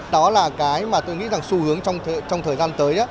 đó là cái mà tôi nghĩ rằng xu hướng trong thời gian tới